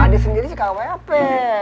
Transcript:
aduh adik sendiri sih kawain apa ya